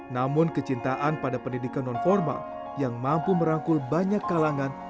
namun kecintaan pada pendidikan non formal yang mampu merangkul banyak kalangan